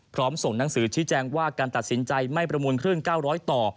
ส่งหนังสือชี้แจงว่าการตัดสินใจไม่ประมูลคลื่น๙๐๐ต่อ